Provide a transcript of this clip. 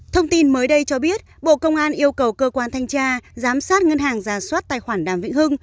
thông tin mới đây cho biết bộ công an yêu cầu cơ quan thanh tra giám sát ngân hàng giả soát tài khoản đàm vĩnh hưng